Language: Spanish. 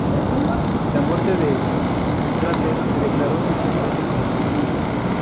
La muerte de Strasser se declaró inicialmente como suicidio.